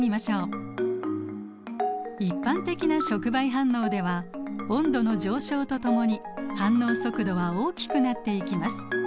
一般的な触媒反応では温度の上昇とともに反応速度は大きくなっていきます。